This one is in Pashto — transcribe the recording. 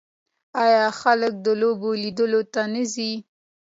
آیا خلک د لوبو لیدلو ته نه ځي؟